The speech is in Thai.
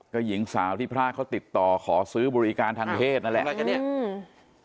ก็หญิงสาวที่พระเขาติดต่อขอซื้อบริการทางเพศนั่นแหละ